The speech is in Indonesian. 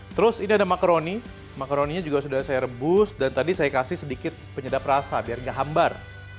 terus ini ada makaroni makaroninya juga sudah saya rebus dan tadi saya kasih sedikit penyedap rasa biar gak hambar